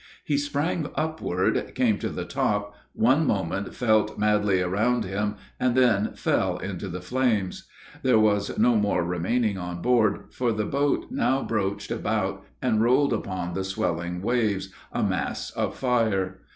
He sprang upward, came to the top, one moment felt madly around him, and then fell into the flames. There was no more remaining on board, for the boat now broached around and rolled upon the swelling waves, a mass of fire.